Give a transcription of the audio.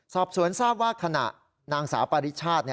สอบสวนทราบว่าขณะนางสาวปาริชาติ